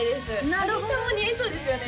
かりんさんも似合いそうですよね